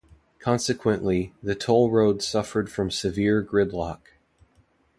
Consequently, the toll road suffered from severe gridlock.